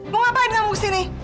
mau ngapain kamu kesini